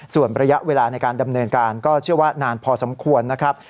ส่วนระยะเวลาในการดำเนินการก็เชื่อว่านานพอสมควรนะครับ